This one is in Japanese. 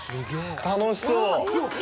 楽しそう。